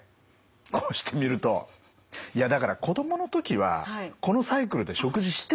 こうして見るといやだから子供の時はこのサイクルで食事してたんですよ。